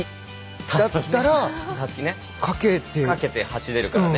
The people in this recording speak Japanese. だったらかけてかけて走れるからね。